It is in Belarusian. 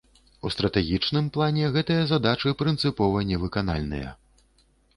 У стратэгічным плане гэтыя задачы прынцыпова не выканальныя.